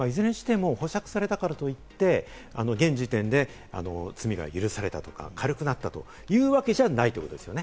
保釈されたからといって現時点で罪が許されたとか、軽くなったというわけじゃないということですね。